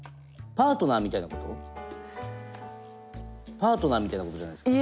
パートナーみたいなことじゃないですか。